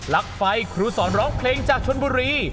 ลักไฟครูสอนร้องเพลงจากชนบุรี